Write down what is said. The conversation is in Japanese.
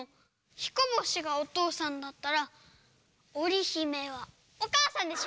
ひこぼしがおとうさんだったらおりひめはおかあさんでしょ。